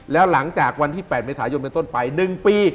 แล้วหลังจากวันที่๘เมษายนเป็นต้นไป๑ปี